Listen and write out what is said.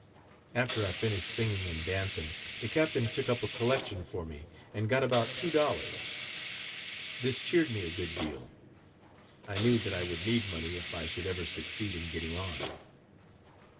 " After I finished singing and dancing, the captain took up a collection for me and got about two dollars. This cheered me a good deal. I knew that I would need money if I should ever succeed in getting on.